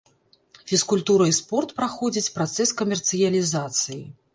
Фізкультура і спорт праходзяць працэс камерцыялізацыі.